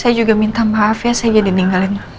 saya juga minta maaf ya saya jadi ninggalin